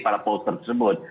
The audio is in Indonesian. para polter tersebut